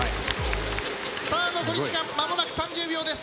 さあ残り時間間もなく３０秒です。